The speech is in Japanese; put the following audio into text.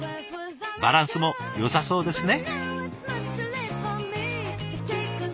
バランスもよさそうですね。